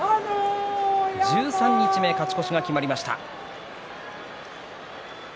十三日目勝ち越しが決まりました。